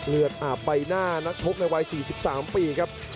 เลือดอาบใบหน้านักชกในวัย๔๓ปีครับ